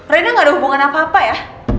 rena gak ada hubungan apa apa ya